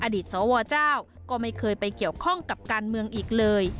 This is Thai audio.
อดีตสวเจ้าก็ไม่เคยไปเกี่ยวข้องกับการเมืองอีกเลย